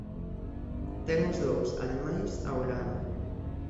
Ten os dous, ademais, ao lado.